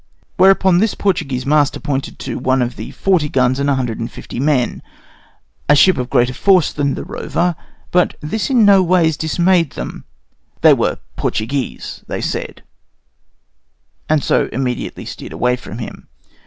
Whereupon this Portuguese master pointed to one of forty guns and a hundred and fifty men, a ship of greater force than the Rover; but this no ways dismayed them; they were Portuguese, they said, and so immediately steered away for him.